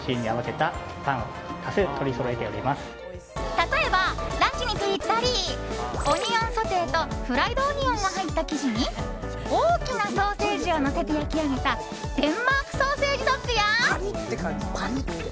例えば、ランチにぴったりオニオンソテーとフライドオニオンが入った生地に大きなソーセージをのせて焼き上げたデンマークソーセージドッグや。